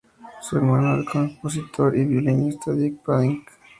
Su hermano es el compositor y violinista Deepak Pandit.